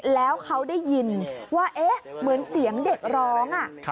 แล้วเขาได้ยินว่าเหมือนเสียงเด็กร้อง